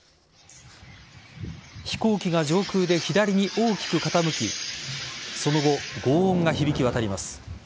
飛行機が上空で左に大きく傾きその後、ごう音が響き渡ります。